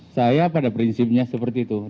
saya pada prinsipnya seperti itu